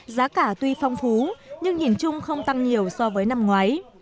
giá cả tuy phong phú nhưng nhìn chung không tăng nhiều so với năm ngoái